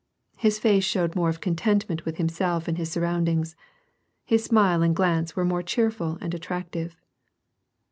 His face showed more of contentment with himself and his surroundings ; his smile and glance were more cheerful and attractive.